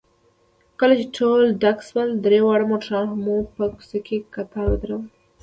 کله چې ټول ډک شول، درې واړه موټرونه مو په کوڅه کې کتار ودرول.